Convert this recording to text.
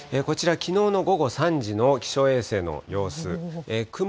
こちら、きのうの午後３時の気象衛星の様子。